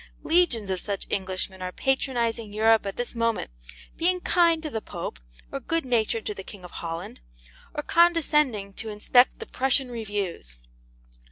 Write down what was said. Legions of such Englishmen are patronizing Europe at this moment, being kind to the Pope, or good natured to the King of Holland, or condescending to inspect the Prussian reviews.